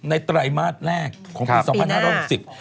ในไตรมาสแรกของปี๒๕๖๐